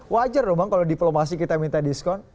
wajar dong bang kalau diplomasi kita minta diskon